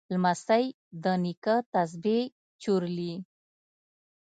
لمسی د نیکه تسبیح چورلي.